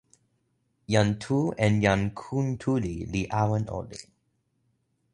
jan Tu en jan Kuntuli li awen olin.